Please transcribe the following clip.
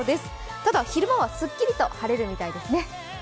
ただ、昼間はすっきりと晴れるみたいですね。